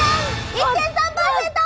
１．３％！